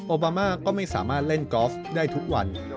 โอบามาก็ไม่สามารถเล่นบาทได้ทุกวัน